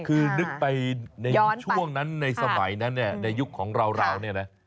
คือนึกไปในช่วงนั้นในสมัยนั้นในยุคของราวนี่แหละ